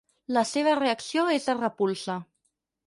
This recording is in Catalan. La seva reacció és de repulsa.